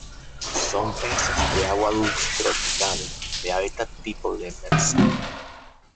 Son peces de agua dulce tropical, de hábitat tipo demersal.